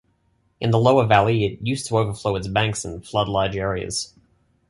In the lower valley it used to overflow its banks and flood large areas.